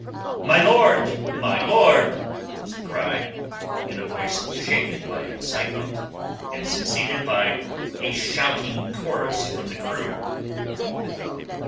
"My lord! My lord!" was the cry, in a voice shaken by excitement, and succeeded by a shouting chorus from the crew.